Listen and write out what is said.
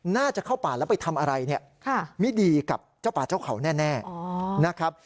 น่าจะเข้าป่าแล้วไปทำอะไรเนี่ยไม่ดีกับเจ้าป่าเจ้าเขาแน่นะครับ